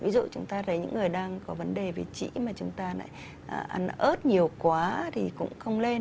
ví dụ chúng ta thấy những người đang có vấn đề về trĩ mà chúng ta lại ăn ớt nhiều quá thì cũng không lên